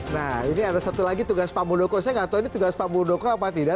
nah ini ada satu lagi tugas pak muldoko saya nggak tahu ini tugas pak muldoko apa tidak